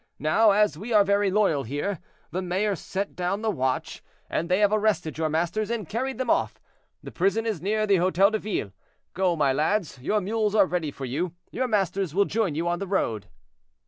Now, as we are very loyal here, the mayor sent down the watch, and they have arrested your masters and carried them off. The prison is near the Hotel de Ville; go, my lads, your mules are ready for you, your masters will join you on the road."